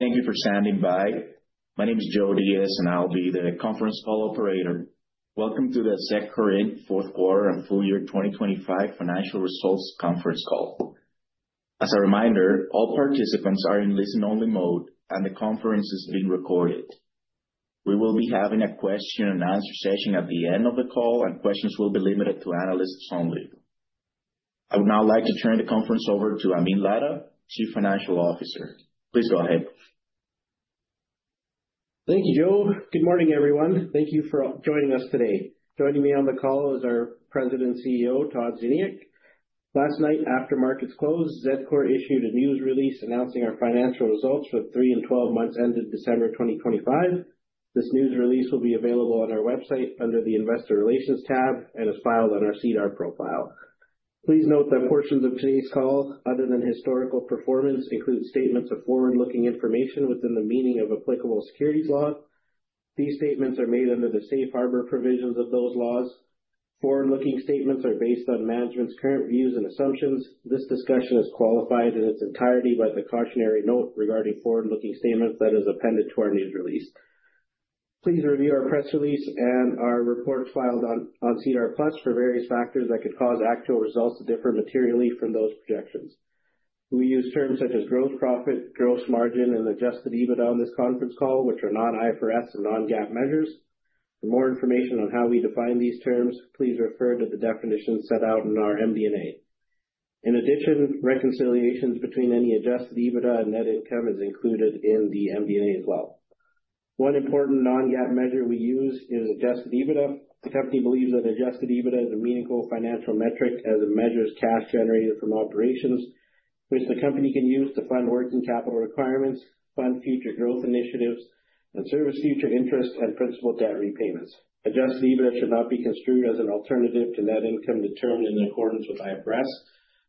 Thank you for standing by. My name is Joe Diaz, and I'll be the Conference Call Operator. Welcome to the Zedcor Inc. fourth quarter and full year 2025 financial results conference call. As a reminder, all participants are in listen-only mode, and the conference is being recorded. We will be having a question-and-answer session at the end of the call, and questions will be limited to analysts only. I would now like to turn the conference over to Amin Ladha, Chief Financial Officer. Please go ahead. Thank you, Joe. Good morning, everyone. Thank you for joining us today. Joining me on the call is our President and CEO, Todd Ziniuk. Last night, after markets closed, Zedcor issued a news release announcing our financial results for three and 12 months ended December 2025. This news release will be available on our website under the Investor Relations tab and is filed on our SEDAR profile. Please note that portions of today's call, other than historical performance, include statements of forward-looking information within the meaning of applicable securities law. These statements are made under the safe harbor provisions of those laws. Forward-looking statements are based on management's current views and assumptions. This discussion is qualified in its entirety by the cautionary note regarding forward-looking statements that is appended to our news release. Please review our press release and our report filed on SEDAR+ for various factors that could cause actual results to differ materially from those projections. We use terms such as gross profit, gross margin, and Adjusted EBITDA on this conference call, which are non-IFRS and non-GAAP measures. For more information on how we define these terms, please refer to the definitions set out in our MD&A. In addition, reconciliations between any Adjusted EBITDA and net income is included in the MD&A as well. One important non-GAAP measure we use is Adjusted EBITDA. The Company believes that Adjusted EBITDA is a meaningful financial metric as it measures cash generated from operations, which the Company can use to fund working capital requirements, fund future growth initiatives, and service future interest and principal debt repayments. Adjusted EBITDA should not be construed as an alternative to net income determined in accordance with IFRS.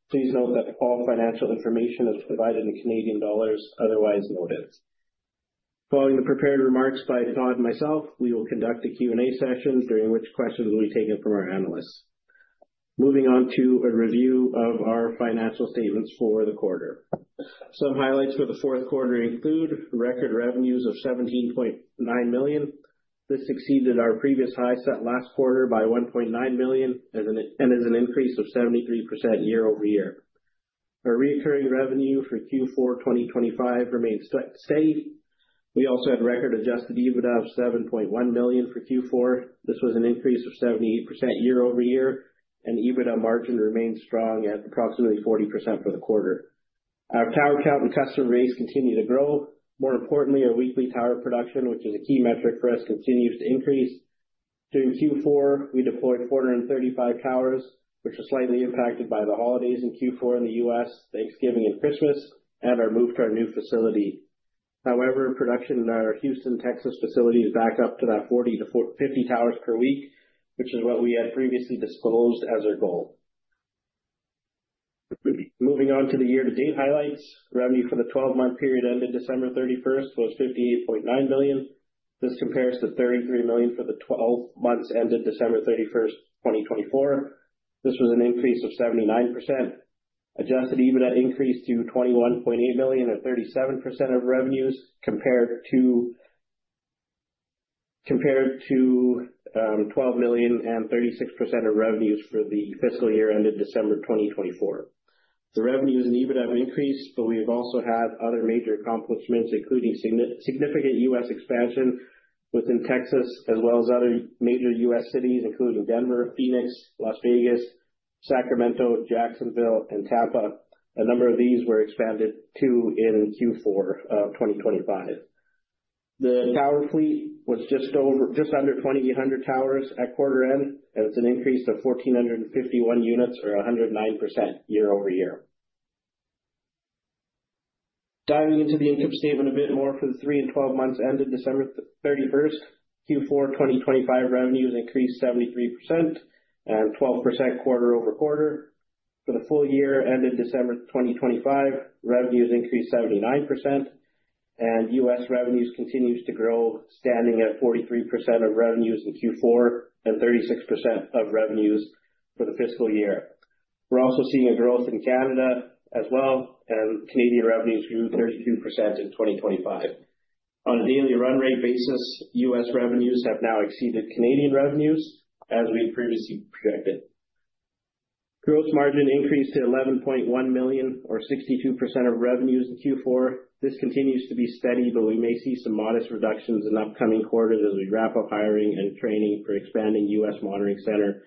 Please note that all financial information is provided in Canadian dollars, otherwise noted. Following the prepared remarks by Todd and myself, we will conduct a Q&A session during which questions will be taken from our analysts. Moving on to a review of our financial statements for the quarter. Some highlights for the fourth quarter include record revenues of 17.9 million. This exceeded our previous high set last quarter by 1.9 million and is an increase of 73% year-over-year. Our recurring revenue for Q4 2025 remains steady. We also had record Adjusted EBITDA of 7.1 million for Q4. This was an increase of 78% year-over-year, and EBITDA margin remains strong at approximately 40% for the quarter. Our tower count and customer base continue to grow. More importantly, our weekly tower production, which is a key metric for us, continues to increase. During Q4, we deployed 435 towers, which was slightly impacted by the holidays in Q4 in the U.S., Thanksgiving and Christmas, and our move to our new facility. However, production in our Houston, Texas facility is back up to that 40-50 towers per week, which is what we had previously disclosed as our goal. Moving on to the year-to-date highlights. Revenue for the 12-month period ended December 31st was 58.9 million. This compares to 33 million for the 12 months ended December 31st, 2024. This was an increase of 79%. Adjusted EBITDA increased to 21.8 million or 37% of revenues compared to 12 million and 36% of revenues for the fiscal year ended December 2024. The revenues and EBITDA increased, but we've also had other major accomplishments, including significant U.S. expansion within Texas as well as other major U.S. cities, including Denver, Phoenix, Las Vegas, Sacramento, Jacksonville, and Tampa. A number of these were expanded too in Q4 of 2025. The tower fleet was just under 2,800 towers at quarter end, and it's an increase of 1,451 units or 109% year-over-year. Diving into the income statement a bit more for the three and 12 months ended December 31st, Q4 2025 revenues increased 73% and 12% quarter-over-quarter. For the full year ended December 2025, revenues increased 79%, and U.S. revenues continues to grow, standing at 43% of revenues in Q4 and 36% of revenues for the fiscal year. We're also seeing a growth in Canada as well, and Canadian revenues grew 32% in 2025. On a daily run rate basis, U.S. revenues have now exceeded Canadian revenues as we previously projected. Gross margin increased to 11.1 million or 62% of revenues in Q4. This continues to be steady, but we may see some modest reductions in upcoming quarters as we wrap up hiring and training for expanding U.S. monitoring center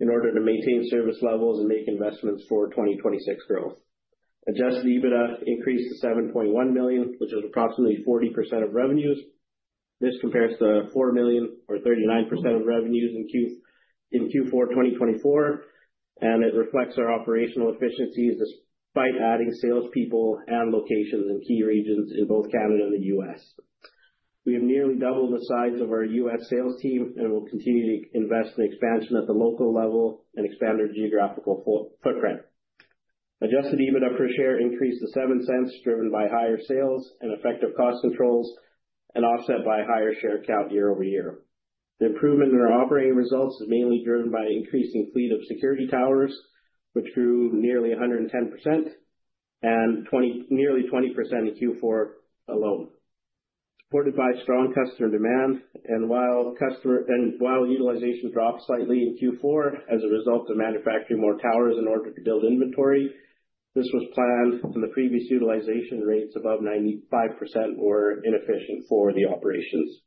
in order to maintain service levels and make investments for 2026 growth. Adjusted EBITDA increased to 7.1 million, which is approximately 40% of revenues. This compares to 4 million or 39% of revenues in Q4 2024, and it reflects our operational efficiencies despite adding salespeople and locations in key regions in both Canada and the U.S. We have nearly doubled the size of our U.S. sales team and will continue to invest in expansion at the local level and expand our geographical footprint. Adjusted EBITDA per share increased to 0.07, driven by higher sales and effective cost controls, and offset by higher share count year-over-year. The improvement in our operating results is mainly driven by increasing fleet of security towers, which grew nearly 110% and nearly 20% in Q4 alone, supported by strong customer demand. While utilization dropped slightly in Q4 as a result of manufacturing more towers in order to build inventory, this was planned, and the previous utilization rates above 95% were inefficient for the operations.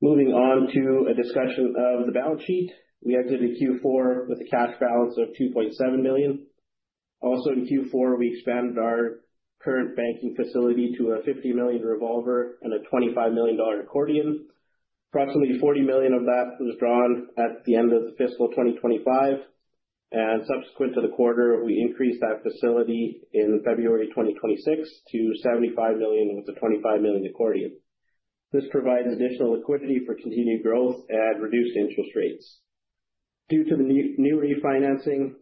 Moving on to a discussion of the balance sheet, we entered into Q4 with a cash balance of 2.7 million. Also in Q4, we expanded our current banking facility to a 50 million revolver and a 25 million dollar accordion. Approximately 40 million of that was drawn at the end of the fiscal 2025, and subsequent to the quarter, we increased that facility in February 2026 to 75 million, with a 25 million accordion. This provides additional liquidity for continued growth at reduced interest rates. Due to the new refinancing,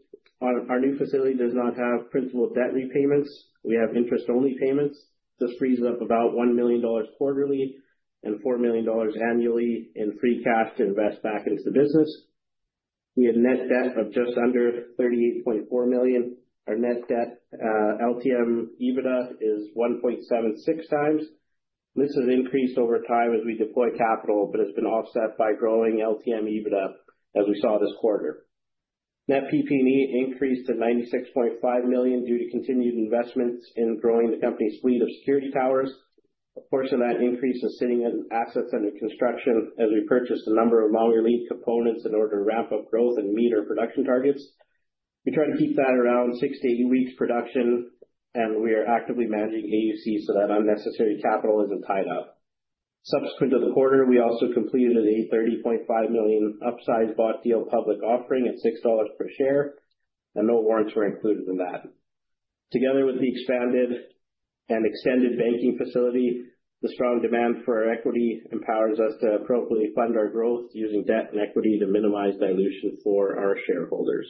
our new facility does not have principal debt repayments. We have interest-only payments. This frees up about 1 million dollars quarterly and 4 million dollars annually in free cash to invest back into the business. We have net debt of just under 38.4 million. Our net debt LTM EBITDA is 1.76x. This has increased over time as we deploy capital, but it's been offset by growing LTM EBITDA, as we saw this quarter. Net PP&E increased to 96.5 million due to continued investments in growing the Company's fleet of security towers. A portion of that increase is sitting in Assets Under Construction as we purchase a number of modular components in order to ramp up growth and meet our production targets. We try to keep that around six to eight weeks production, and we are actively managing AUC so that unnecessary capital isn't tied up. Subsequent to the quarter, we also completed a 30.5 million upsize bought deal public offering at 6 dollars per share, and no warrants were included in that. Together with the expanded and extended banking facility, the strong demand for our equity empowers us to appropriately fund our growth using debt and equity to minimize dilution for our shareholders.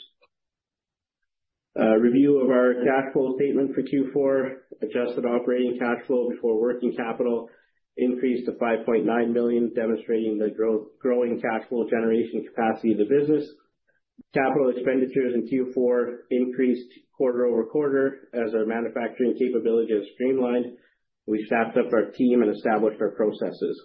A review of our cash flow statement for Q4, Adjusted Operating Cash Flow before working capital increased to 5.9 million, demonstrating the growing cash flow generation capacity of the business. Capital expenditures in Q4 increased quarter-over-quarter as our manufacturing capability is streamlined. We staffed up our team and established our processes.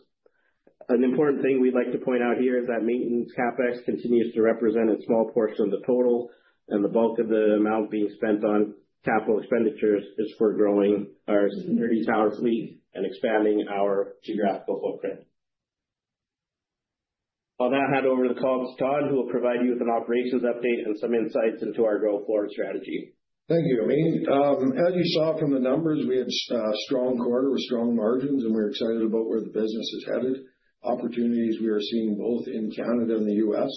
An important thing we'd like to point out here is that maintenance CapEx continues to represent a small portion of the total, and the bulk of the amount being spent on capital expenditures is for growing our security tower fleet and expanding our geographical footprint. I'll now hand over the call to Todd, who will provide you with an operations update and some insights into our go-forward strategy. Thank you, Amin. As you saw from the numbers, we had a strong quarter with strong margins, and we're excited about where the business is headed, opportunities we are seeing both in Canada and the U.S.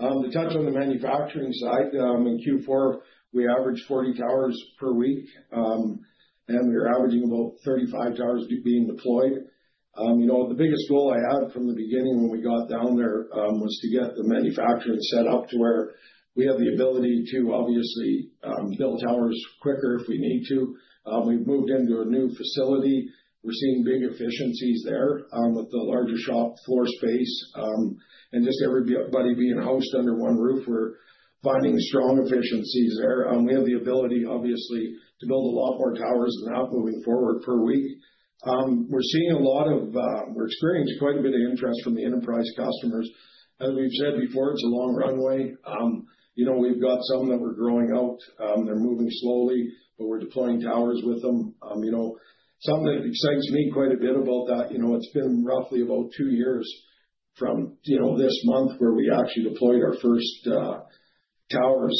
To touch on the manufacturing side, in Q4, we averaged 40 towers per week, and we are averaging about 35 towers being deployed. The biggest goal I had from the beginning when we got down there was to get the manufacturing set up to where we have the ability to obviously build towers quicker if we need to. We've moved into a new facility. We're seeing big efficiencies there with the larger shop floor space and just everybody being housed under one roof. We're finding strong efficiencies there. We have the ability, obviously, to build a lot more towers now moving forward per week. We're experiencing quite a bit of interest from the enterprise customers. As we've said before, it's a long runway. We've got some that we're growing out. They're moving slowly, but we're deploying towers with them. Something that excites me quite a bit about that, it's been roughly about two years from this month where we actually deployed our first towers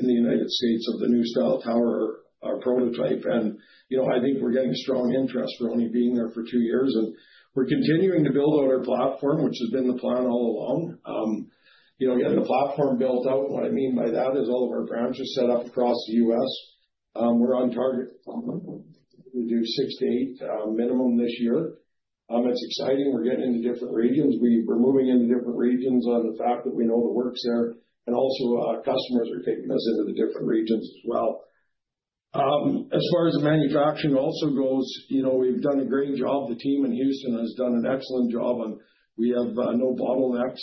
in the United States of the new style tower, our prototype. I think we're getting strong interest for only being there for two years, and we're continuing to build out our platform, which has been the plan all along. Getting the platform built out, what I mean by that is all of our branches set up across the U.S. We're on target to do six to eight minimum this year. It's exciting. We're getting into different regions. We're moving into different regions on the fact that we know the works there, and also our customers are taking us into the different regions as well. As far as the manufacturing also goes, we've done a great job. The team in Houston has done an excellent job, and we have no bottlenecks.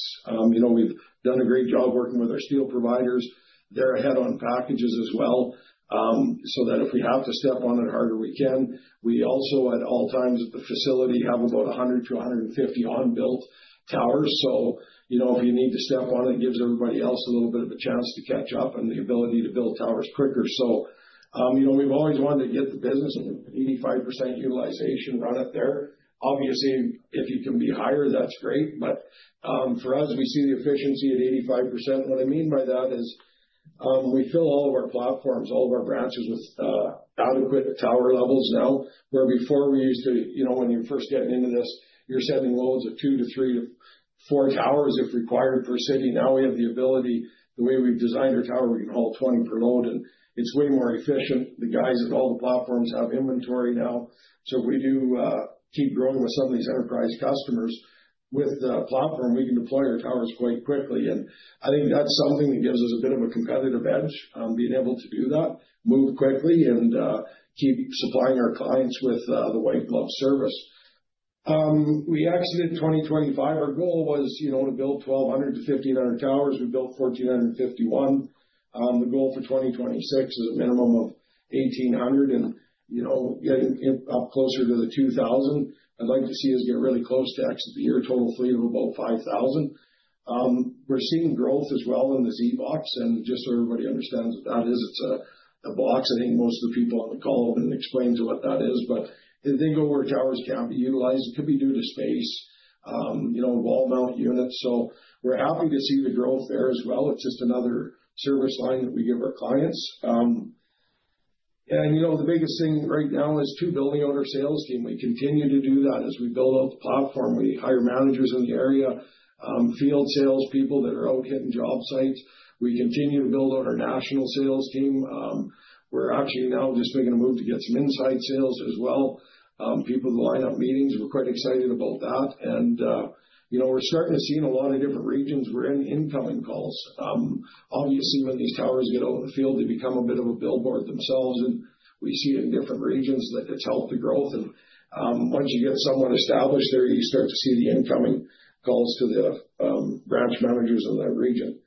We've done a great job working with our steel providers. They're ahead on packages as well, so that if we have to step on it harder, we can. We also, at all times at the facility, have about 100-150 unbuilt towers. If we need to step on, it gives everybody else a little bit of a chance to catch up and the ability to build towers quicker. We've always wanted to get the business at an 85% utilization run up there. Obviously, if you can be higher, that's great. For us, we see the efficiency at 85%. What I mean by that is, we fill all of our platforms, all of our branches with adequate tower levels now, where before we used to, when you're first getting into this, you're sending loads of two to three, four towers if required per city. Now we have the ability, the way we've designed our tower, we can haul 20 per load, and it's way more efficient. The guys at all the platforms have inventory now. If we do keep growing with some of these enterprise customers, with the platform, we can deploy our towers quite quickly. I think that's something that gives us a bit of a competitive edge, being able to do that, move quickly, and keep supplying our clients with the white glove service. We exceeded 2025. Our goal was to build 1,200-1,500 towers. We built 1,451. The goal for 2026 is a minimum of 1,800 and getting up closer to the 2,000. I'd like to see us get really close to actually the year total three of about 5,000. We're seeing growth as well in the ZBox, and just so everybody understands what that is, it's a box. I think most of the people on the call, Amin can explain to what that is, but they go where towers can't be utilized. It could be due to space, wall-mount units. We're happy to see the growth there as well. It's just another service line that we give our clients. The biggest thing right now is, two, building out our sales team. We continue to do that as we build out the platform. We hire managers in the area, field salespeople that are out hitting job sites. We continue to build out our national sales team. We're actually now just making a move to get some inside sales as well, people to line up meetings. We're quite excited about that. We're starting to see in a lot of different regions incoming calls. Obviously, when these towers get out in the field, they become a bit of a billboard themselves, and we see it in different regions that it's helped the growth. Once you get someone established there, you start to see the incoming calls to the branch managers in that region.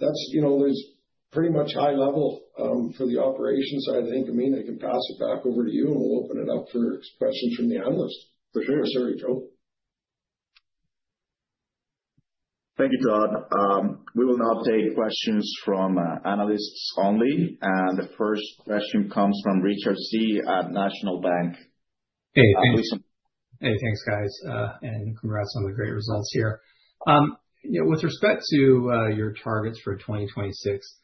That's pretty much high level for the operation side. I think, Amin, I can pass it back over to you, and we'll open it up for questions from the analysts. For sure. Sorry, Joe. Thank you, Todd. We will now take questions from analysts only. The first question comes from Richard Tse at National Bank. Hey. Please go ahead. Hey, thanks, guys. Congrats on the great results here. With respect to your targets for 2026,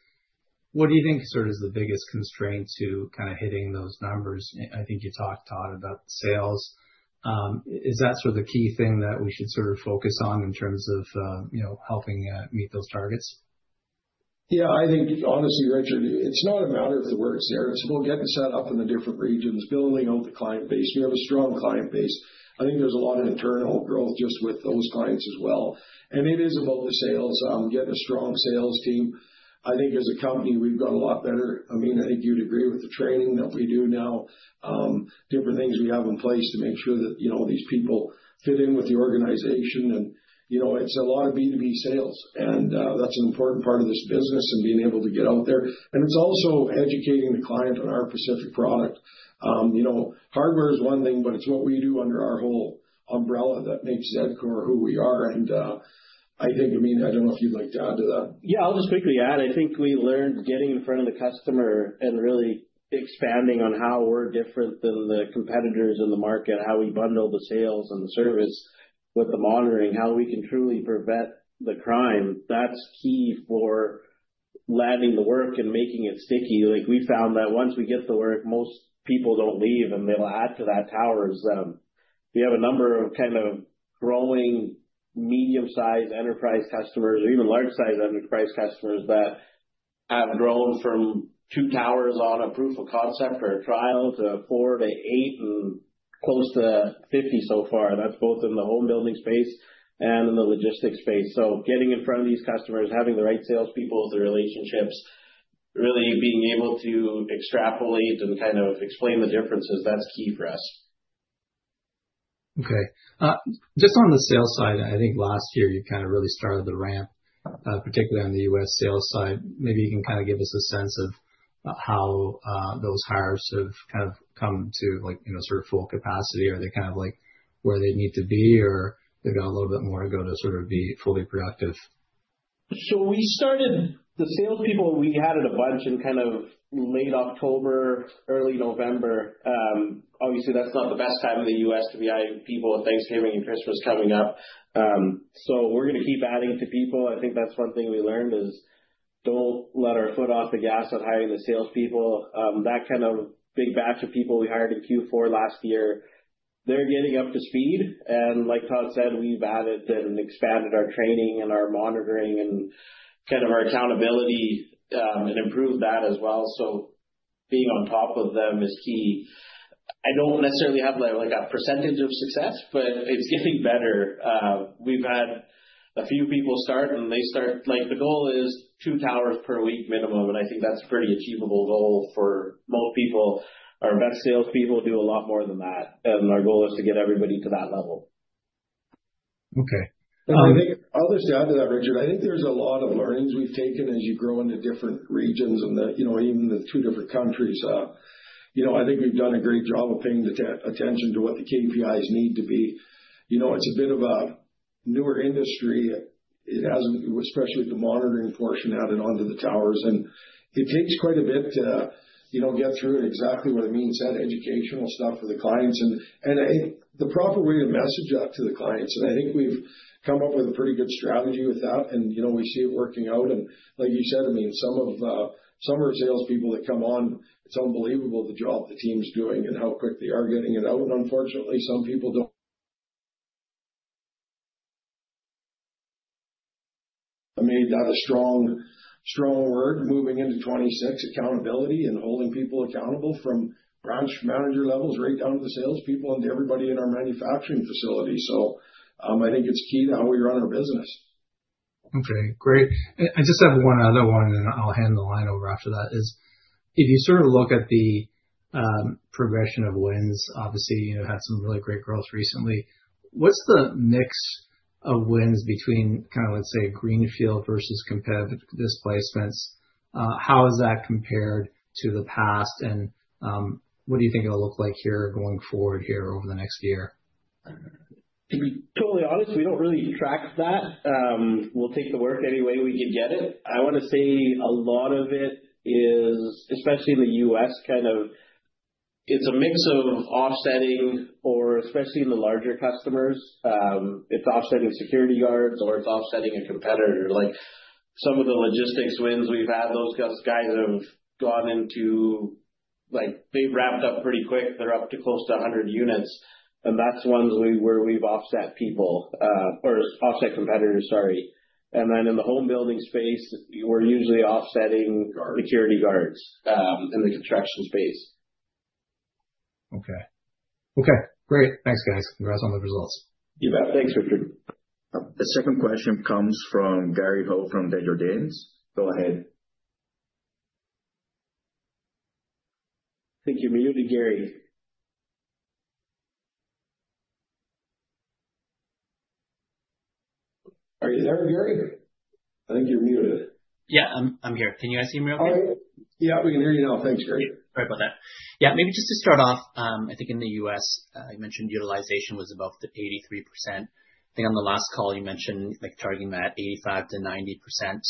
what do you think is the biggest constraint to hitting those numbers? I think you talked, Todd, about sales. Is that the key thing that we should focus on in terms of helping meet those targets? Yeah, I think honestly, Richard, it's not a matter if the work's there. It's more getting set up in the different regions, building out the client base. You have a strong client base. I think there's a lot of internal growth just with those clients as well. It is about the sales, getting a strong sales team. I think as a company, we've got a lot better, Amin, I think you'd agree, with the training that we do now, different things we have in place to make sure that these people fit in with the organization. It's a lot of B2B sales, and that's an important part of this business and being able to get out there. It's also educating the client on our specific product. Hardware is one thing, but it's what we do under our whole umbrella that makes Zedcor who we are. I think, Amin, I don't know if you'd like to add to that. Yeah, I'll just quickly add. I think we learned getting in front of the customer and really expanding on how we're different than the competitors in the market, how we bundle the sales and the service with the monitoring, how we can truly prevent the crime. That's key for landing the work and making it sticky. We found that once we get the work, most people don't leave, and they'll add to that tower as well. We have a number of growing medium-sized enterprise customers or even large-sized enterprise customers that have grown from two towers on a proof of concept or a trial to four to eight and close to 50 so far. That's both in the home building space and in the logistics space. Getting in front of these customers, having the right salespeople, the relationships, really being able to extrapolate and explain the differences, that's key for us. Okay, just on the sales side, I think last year you really started the ramp, particularly on the U.S. sales side. Maybe you can give us a sense of how those hires have come to full capacity. Are they where they need to be, or they've got a little bit more to go to be fully productive? We started the salespeople. We added a bunch in late October, early November. Obviously, that's not the best time in the U.S. to be hiring people with Thanksgiving and Christmas coming up. We're gonna keep adding to people. I think that's one thing we learned is, don't let our foot off the gas on hiring the salespeople. That big batch of people we hired in Q4 last year, they're getting up to speed, and like Todd said, we've added and expanded our training and our monitoring and our accountability, and improved that as well. Being on top of them is key. I don't necessarily have a percentage of success, but it's getting better. We've had a few people start. The goal is two towers per week minimum, and I think that's a pretty achievable goal for most people. Our best salespeople do a lot more than that, and our goal is to get everybody to that level. Okay. I'll just add to that, Richard. I think there's a lot of learnings we've taken as you grow into different regions and even the two different countries. I think we've done a great job of paying attention to what the KPIs need to be. It's a bit of a newer industry, especially the monitoring portion added onto the towers, and it takes quite a bit to get through exactly what it means, that educational stuff for the clients and, I think, the proper way to message that to the clients. I think we've come up with a pretty good strategy with that, and we see it working out. Like you said, Amin, some of our salespeople that come on, it's unbelievable the job the team's doing and how quick they are getting it out. I made that a strong word moving into 2026, accountability and holding people accountable from branch manager levels right down to the salespeople and to everybody in our manufacturing facility. I think it's key to how we run our business. Okay, great. I just have one other one and then I'll hand the line over after that. If you look at the progression of wins, obviously, you had some really great growth recently. What's the mix of wins between, let's say, green field versus competitive displacements? How has that compared to the past, and what do you think it'll look like here going forward here over the next year? To be totally honest, we don't really track that. We'll take the work any way we can get it. I want to say a lot of it is, especially in the U.S., it's a mix of offsetting or especially in the larger customers, it's offsetting security guards, or it's offsetting a competitor. Some of the logistics wins we've had, those guys have gone into, they've ramped up pretty quick. They're up to close to 100 units. That's ones where we've offset people, or offset competitors, sorry. In the home building space, we're usually offsetting. Guards Security guards, in the construction space. Okay. Great. Thanks, guys. Congrats on the results. You bet. Thanks, Richard. The second question comes from Gary Ho from Desjardins. Go ahead. I think you're muted, Gary. Are you there, Gary? I think you're muted. Yeah. I'm here. Can you guys hear me okay? Yeah, we can hear you now. Thanks, Gary. Sorry about that. Yeah, maybe just to start off, I think in the U.S., you mentioned utilization was above the 83%. I think on the last call you mentioned targeting that 85%-90%.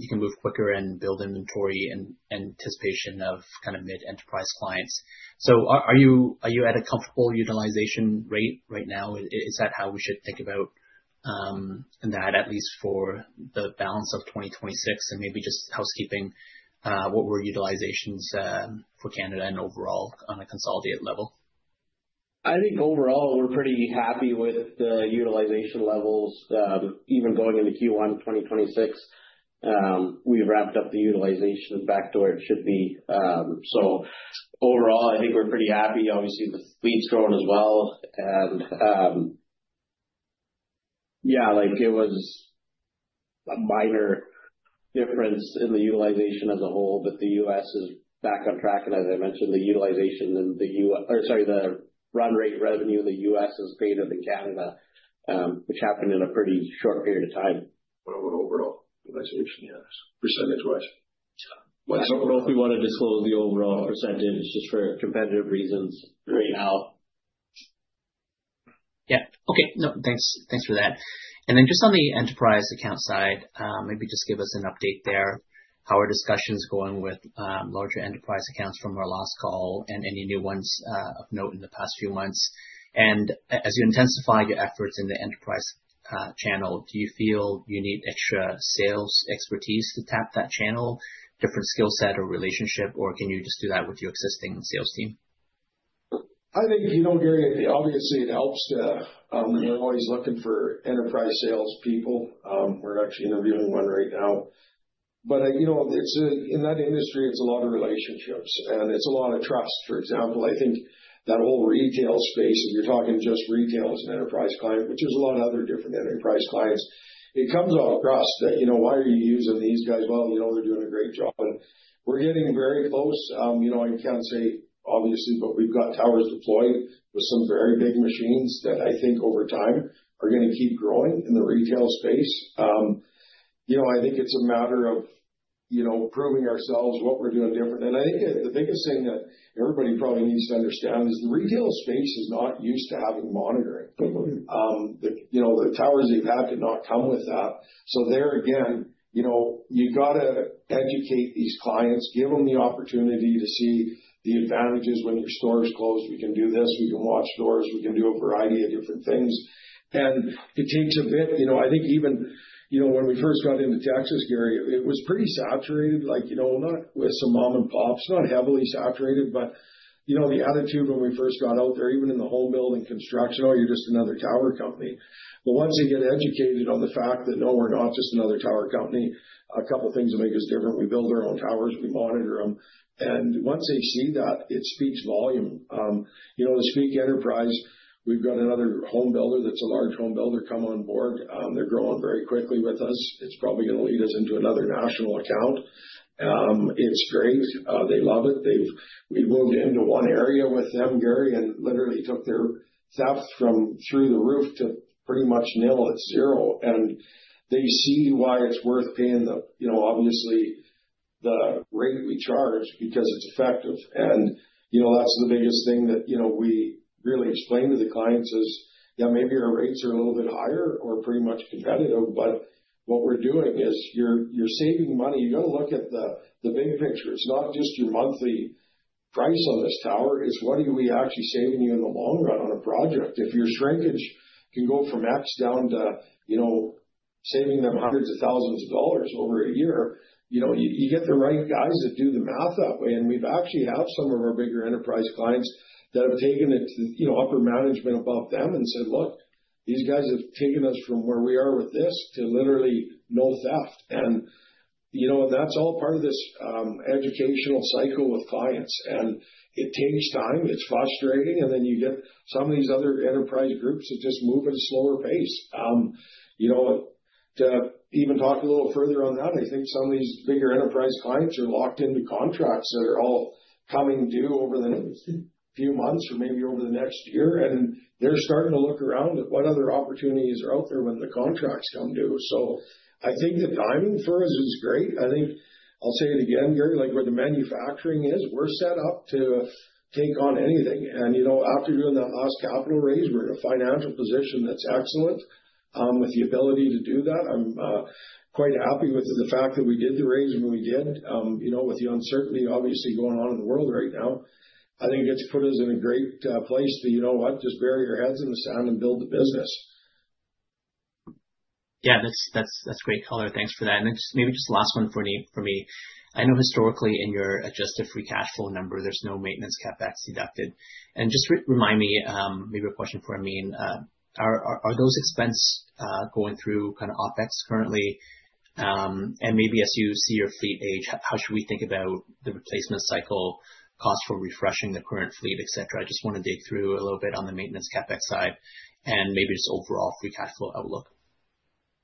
You can move quicker and build inventory in anticipation of mid-enterprise clients. Are you at a comfortable utilization rate right now? Is that how we should think about that, at least for the balance of 2026? Maybe just housekeeping, what were utilizations for Canada and overall on a consolidated level? I think overall, we're pretty happy with the utilization levels. Even going into Q1 2026, we've ramped up the utilization back to where it should be. Overall, I think we're pretty happy. Obviously, the fleet's grown as well. Yeah, it was a minor difference in the utilization as a whole. The U.S. is back on track. As I mentioned, the run rate revenue in the U.S. is greater than Canada, which happened in a pretty short period of time. What about overall utilization percentage-wise? I don't know if we want to disclose the overall percentage just for competitive reasons right now. Yeah. Okay. No, thanks for that. Just on the enterprise account side, maybe just give us an update there. How are discussions going with larger enterprise accounts from our last call and any new ones of note in the past few months? As you intensify your efforts in the enterprise channel, do you feel you need extra sales expertise to tap that channel, different skill set or relationship, or can you just do that with your existing sales team? I think, Gary, obviously, we're always looking for enterprise salespeople. We're actually interviewing one right now. In that industry, it's a lot of relationships, and it's a lot of trust. For example, I think that whole retail space, if you're talking just retail as an enterprise client, which there's a lot of other different enterprise clients, it comes across that, why are you using these guys? Well, they're doing a great job, and we're getting very close. I can't say, obviously, but we've got towers deployed with some very big machines that I think over time are going to keep growing in the retail space. I think it's a matter of proving ourselves, what we're doing different. I think the biggest thing that everybody probably needs to understand is the retail space is not used to having monitoring. Mm-hmm. The towers they've had did not come with that. There again, you've got to educate these clients, give them the opportunity to see the advantages. When your store is closed, we can do this. We can watch stores. We can do a variety of different things. It takes a bit. I think even when we first got into Texas, Gary, it was pretty saturated with some mom and pops, not heavily saturated, but the attitude when we first got out there, even in the home building construction, "Oh, you're just another tower company." Once they get educated on the fact that no, we're not just another tower company, a couple things that make us different, we build our own towers, we monitor them. Once they see that, it speaks volume. To speak enterprise, we've got another home builder that's a large home builder come on board. They're growing very quickly with us. It's probably going to lead us into another national account. It's great. They love it. We moved into one area with them, Gary, and literally took their theft from through the roof to pretty much nil at zero. They see why it's worth paying, obviously, the rate we charge because it's effective. That's the biggest thing that we really explain to the clients is, yeah, maybe our rates are a little bit higher or pretty much competitive, but what we're doing is you're saving money. You got to look at the big picture. It's not just your monthly price on this tower. It's what are we actually saving you in the long run on a project? If your shrinkage can go from X down to saving them hundreds of thousands of CAD over a year, you get the right guys that do the math that way. We actually have some of our bigger enterprise clients that have taken it to upper management above them and said, "Look, these guys have taken us from where we are with this to literally no theft." That's all part of this educational cycle with clients, and it takes time. It's frustrating, and then you get some of these other enterprise groups that just move at a slower pace. To even talk a little further on that, I think some of these bigger enterprise clients are locked into contracts that are all coming due over the next few months or maybe over the next year, and they're starting to look around at what other opportunities are out there when the contracts come due. I think the timing for us is great. I think I'll say it again, Gary, like where the manufacturing is, we're set up to take on anything. After doing that last capital raise, we're in a financial position that's excellent with the ability to do that. I'm quite happy with the fact that we did the raise when we did. With the uncertainty obviously going on in the world right now, I think it puts us in a great place to, you know what, just bury our heads in the sand and build the business. Yeah. That's great color. Thanks for that. Maybe just last one for me. I know historically in your adjusted free cash flow number, there's no maintenance CapEx deducted. Just remind me, maybe a question for Amin, are those expense going through kind of OpEx currently? Maybe as you see your fleet age, how should we think about the replacement cycle cost for refreshing the current fleet, et cetera? I just want to dig through a little bit on the maintenance CapEx side and maybe just overall free cash flow outlook.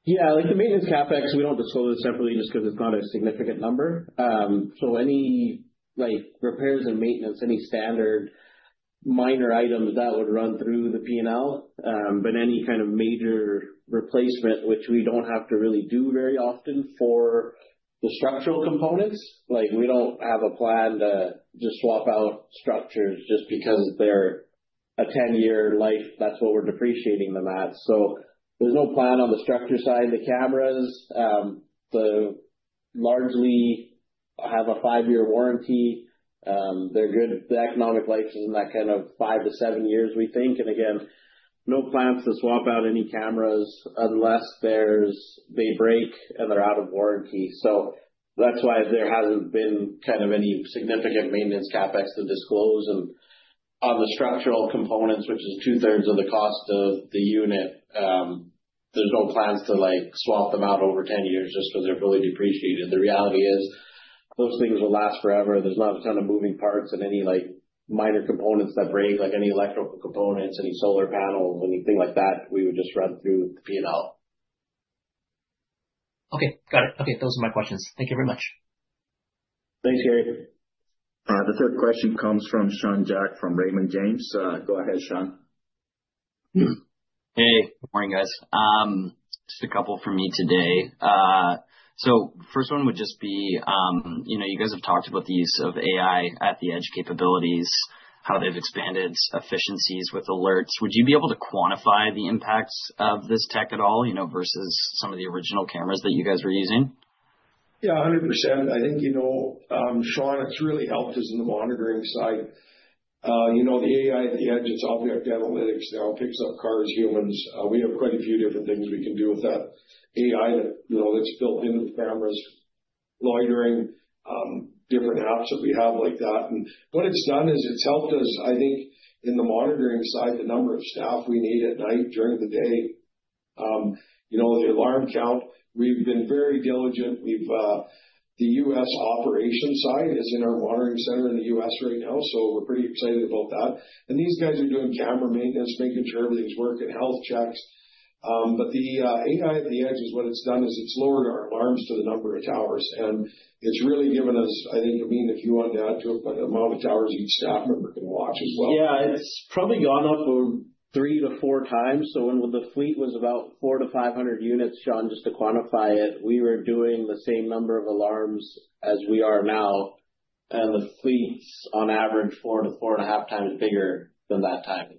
Yeah. Like the maintenance CapEx, we don't disclose it separately just because it's not a significant number. Any repairs and maintenance, any standard minor items that would run through the P&L. Any kind of major replacement, which we don't have to really do very often for the structural components, like we don't have a plan to just swap out structures just because they're a 10-year life. That's what we're depreciating them at. There's no plan on the structure side. The cameras largely have a five-year warranty. They're good. The economic life is in that kind of five to seven years, we think. Again, no plans to swap out any cameras unless they break and they're out of warranty. That's why there hasn't been any significant maintenance CapEx to disclose. On the structural components, which is 2/3 of the cost of the unit, there's no plans to swap them out over 10 years just because they're fully depreciated. The reality is those things will last forever. There's not a ton of moving parts and any minor components that break, like any electrical components, any solar panels, anything like that, we would just run through the P&L. Okay. Got it. Okay, those are my questions. Thank you very much. Thanks, Gary. The third question comes from Sean Jack from Raymond James. Go ahead, Sean. Hey, good morning, guys. Just a couple from me today. First one would just be, you guys have talked about the use of AI at the edge capabilities, how they've expanded efficiencies with alerts. Would you be able to quantify the impacts of this tech at all, versus some of the original cameras that you guys were using? Yeah, 100%. I think, Sean, it's really helped us in the monitoring side. The AI at the edge, it's object analytics now, picks up cars, humans. We have quite a few different things we can do with that AI that's built into the cameras, loitering, different apps that we have like that. What it's done is it's helped us, I think, in the monitoring side, the number of staff we need at night, during the day. With the alarm count, we've been very diligent. The U.S. operations side is in our monitoring center in the U.S. right now, so we're pretty excited about that. These guys are doing camera maintenance, making sure everything's working, health checks. The AI at the edge, what it's done is it's lowered our alarms to the number of towers. It's really given us, I think, Amin, if you want to add to it, the amount of towers each staff member can watch as well. Yeah. It's probably gone up 3x-4x. When the fleet was about 400 units-500 units, Sean, just to quantify it, we were doing the same number of alarms as we are now, and the fleet's on average 4x-4.5x bigger than that time.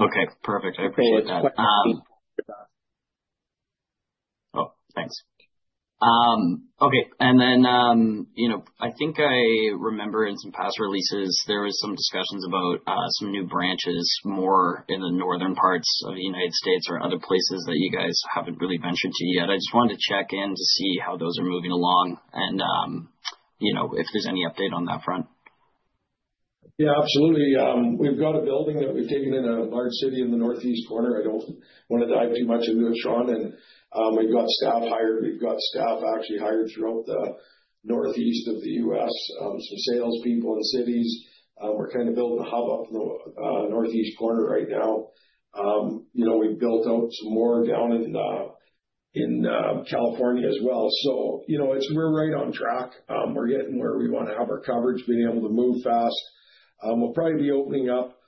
Okay, perfect. I appreciate that. Oh, thanks. Okay. I think I remember in some past releases, there was some discussions about some new branches, more in the northern parts of the United States or other places that you guys haven't really ventured to yet. I just wanted to check in to see how those are moving along and if there's any update on that front. Yeah, absolutely. We've got a building that we've taken in a large city in the Northeast corner. I don't want to dive too much into it, Sean. We've got staff hired. We've got staff actually hired throughout the Northeast of the U.S., some salespeople in cities. We're kind of building a hub up in the Northeast corner right now. We've built out some more down in California as well. We're right on track. We're getting where we want to have our coverage, being able to move fast. We'll probably be opening up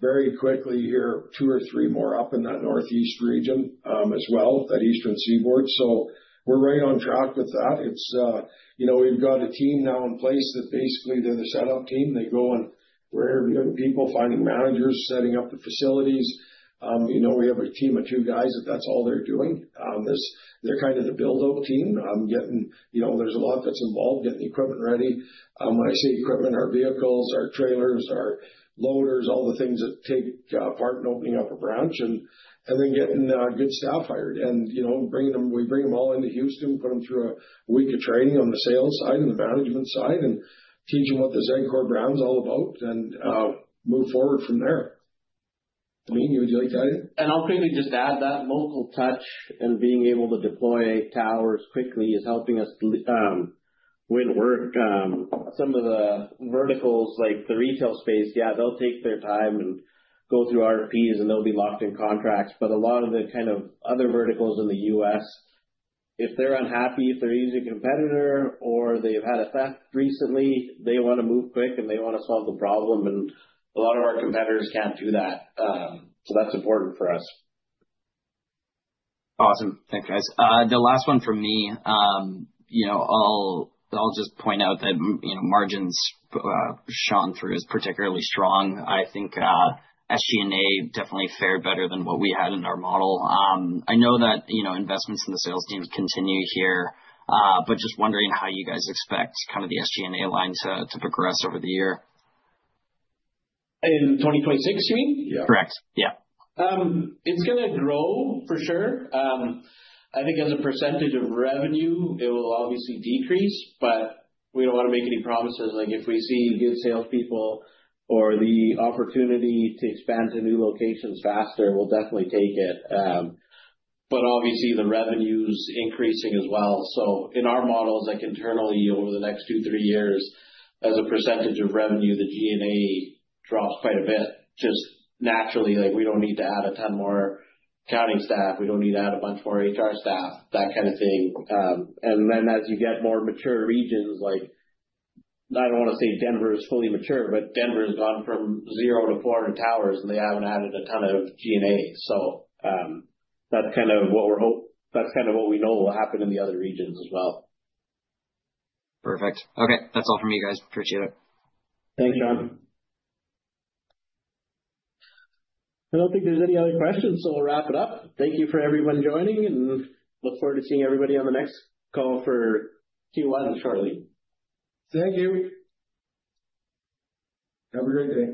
very quickly here, two or three more up in that Northeast region as well, that Eastern Seaboard. We're right on track with that. We've got a team now in place that basically they're the setup team. They go and we're hiring people, finding managers, setting up the facilities. We have a team of two guys, that's all they're doing. They're kind of the build-out team. There's a lot that's involved getting equipment ready. When I say equipment, our vehicles, our trailers, our loaders, all the things that take part in opening up a branch. Getting good staff hired, we bring them all into Houston, put them through a week of training on the sales side and the management side, and teach them what this Zedcor brand is all about and move forward from there. Amin, would you like to add anything? I'll quickly just add that multiple touch and being able to deploy towers quickly is helping us win work. Some of the verticals, like the retail space, yeah, they'll take their time and go through RFPs, and they'll be locked in contracts. A lot of the kind of other verticals in the U.S., if they're unhappy, if they're using a competitor or they've had a theft recently, they want to move quick, and they want to solve the problem. A lot of our competitors can't do that. That's important for us. Awesome. Thanks, guys. The last one from me. I'll just point out that margins shone through as particularly strong. I think SG&A definitely fared better than what we had in our model. I know that investments in the sales team continue here, but just wondering how you guys expect the SG&A line to progress over the year? In 2026, you mean? Correct. Yeah. It's gonna grow for sure. I think as a percentage of revenue, it will obviously decrease, but we don't want to make any promises. If we see good salespeople or the opportunity to expand to new locations faster, we'll definitely take it. Obviously, the revenue's increasing as well. In our models, internally, over the next two, three years, as a percentage of revenue, the G&A drops quite a bit. Just naturally, we don't need to add a ton more accounting staff, we don't need to add a bunch more HR staff, that kind of thing. As you get more mature regions like, I don't want to say Denver is fully mature, but Denver's gone from 0-400 towers, and they haven't added a ton of G&A. That's kind of what we know will happen in the other regions as well. Perfect. Okay. That's all from me, guys. Appreciate it. Thanks, Sean Jack. I don't think there's any other questions, so we'll wrap it up. Thank you for everyone joining, and look forward to seeing everybody on the next call for Q1 shortly. Thank you. Have a great day.